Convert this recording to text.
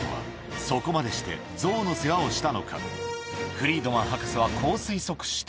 フリードマン博士はこう推測した